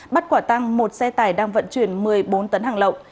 bắt quả tăng một xe tải đang vận chuyển một mươi bốn tấn hàng lậu